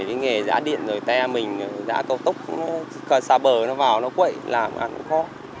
vì nghề giã điện rồi te mình giã cầu tốc xa bờ nó vào nó quậy làm ăn nó khó